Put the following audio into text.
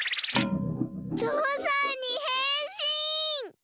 ぞうさんにへんしん！